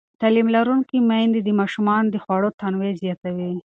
تعلیم لرونکې میندې د ماشومانو د خواړو تنوع زیاتوي.